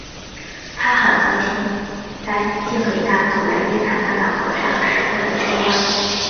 他很高兴；但竟给那走来夜谈的老和尚识破了机关